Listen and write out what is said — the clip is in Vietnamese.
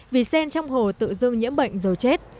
vì sen trong hồ tự dưng nhiễm bệnh dầu chết